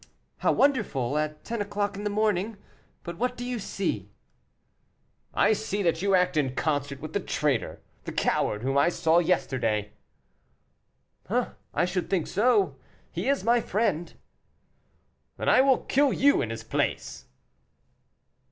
"How wonderful, at ten o'clock in the morning. But what do you see?" "I see that you act in concert with the traitor, the coward, whom I saw yesterday." "I should think so; he is my friend." "Then I will kill you in his place."